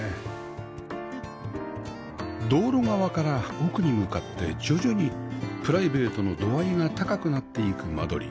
道路側から奥に向かって徐々にプライベートの度合いが高くなっていく間取り